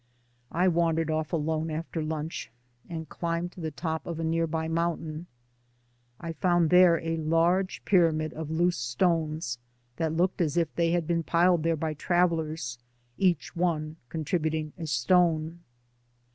I wandered off alone after lunch and climbed to the top of a near by moun tain. I found there a large pyramid of loose stones that looked as if they had been piled i64 DAYS ON THE ROAD. there by travelers, each one contributing a stone.